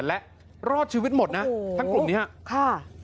และรอดชีวิตหมดนะทั้งกลุ่มนี้ครับ